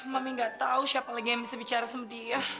mami nggak tahu siapa lagi yang bisa bicara sama dia